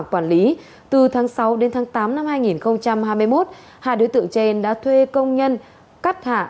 quản lý từ tháng sáu đến tháng tám năm hai nghìn hai mươi một hai đối tượng trên đã thuê công nhân cắt thả